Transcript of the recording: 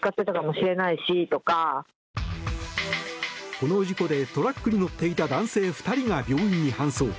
この事故でトラックに乗っていた男性２人が病院に搬送。